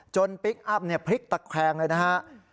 จนปิ๊กอัพเนี่ยพลิกตะค้างเลยนะครับ